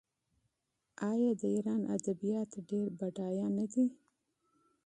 آیا د ایران ادبیات ډیر بډایه نه دي؟